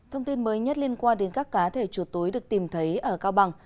thông tin mới nhất liên quan đến các cá thể chuột túi được tìm thấy ở cao bằng